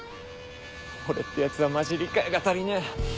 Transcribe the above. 俺ってやつはマジ理解が足りねえ。